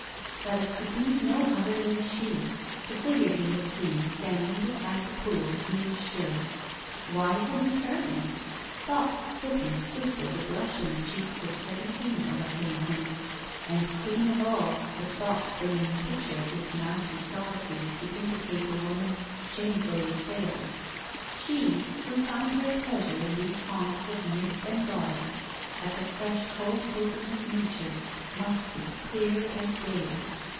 That it could be no other than she, the figure he had seen standing beside the pool, he was sure. Why had he turned? Thoughts thick and swift as a blush in the cheeks of seventeen overcame him; and queen of all, the thought bringing the picture of this mountain solitude to vindicate a woman shamefully assailed. She who found her pleasure in these haunts of nymph and Goddess, at the fresh cold bosom of nature, must be clear as day.